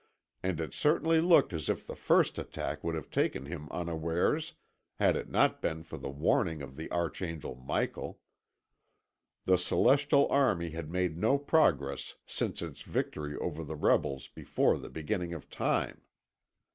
And it certainly looked as if the first attack would have taken him unawares had it not been for the warning of the archangel Michael. The celestial army had made no progress since its victory over the rebels before the beginning of Time.